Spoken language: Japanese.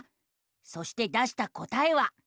そして出した答えは。